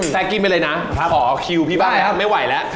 แก๊กกี้ไปเลยนะขอคิวพี่บ้ายครับไม่ไหวแล้ว